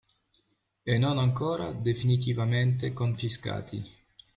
e non ancora definitivamente confiscati.